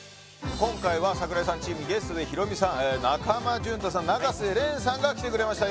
今回は櫻井さんチームにゲストでヒロミさん中間淳太さん永瀬廉さんが来てくれました